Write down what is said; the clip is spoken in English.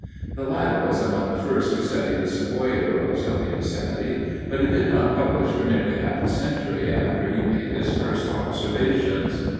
The latter was among the first to study the Sequoia groves of the Yosemite but he did not publish for nearly half a century after he made his first observations.